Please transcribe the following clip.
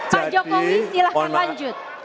pak jokowi silahkan lanjut